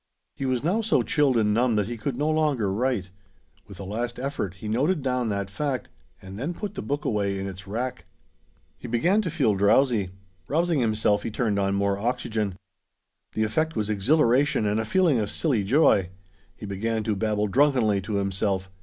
He was now so chilled and numb that he could no longer write. With a last effort, he noted down that fact, and then put the book away in its rack. He began to feel drowsy. Rousing himself, he turned on more oxygen. The effect was exhilaration and a feeling of silly joy. He began to babble drunkenly to himself.